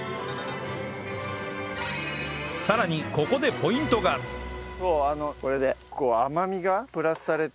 さらにここでポイントがへえ！